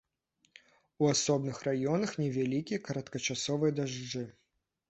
У асобных раёнах невялікія кароткачасовыя дажджы.